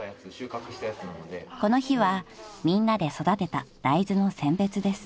［この日はみんなで育てたダイズの選別です］